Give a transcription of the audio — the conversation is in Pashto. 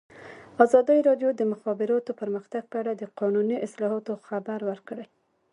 ازادي راډیو د د مخابراتو پرمختګ په اړه د قانوني اصلاحاتو خبر ورکړی.